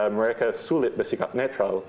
mereka sulit bersikap netral